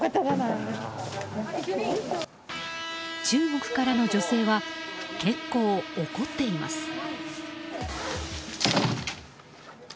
中国からの女性は結構、怒っています。